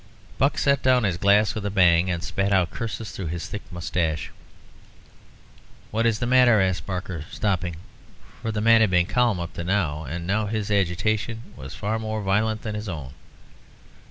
Buck set down his glass with a bang, and spat out curses through his thick moustache. "What is the matter?" asked Barker, stopping, for the man had been calm up to now, and now his agitation was far more violent than his own.